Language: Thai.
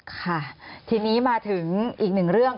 ค่ะทีนี้มาถึงอีกหนึ่งเรื่อง